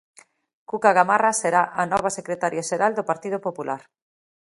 Cuca Gamarra será a nova secretaria xeral do Partido Popular.